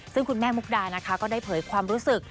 ซึ่งคุณแม่มุกดานะคะก็ได้เผยความรู้สึก